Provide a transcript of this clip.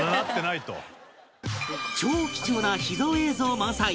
超貴重な秘蔵映像満載